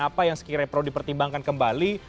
apa yang sekiranya perlu dipertimbangkan kembali